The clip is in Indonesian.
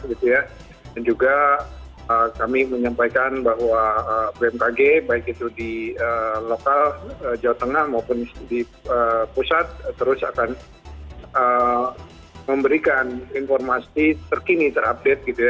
dan juga kami menyampaikan bahwa bmkg baik itu di lokal jawa tengah maupun di pusat terus akan memberikan informasi terkini terupdate